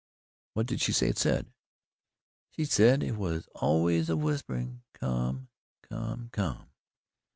"What did she say it said?" "She said it was always a whisperin' 'come come come!'"